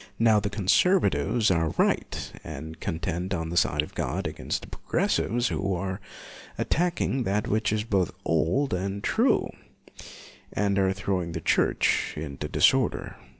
Now the con servatives are right, and contend on the side of God against the progressives who are attacking that which is both old and true, and are throwing the Church into disorder.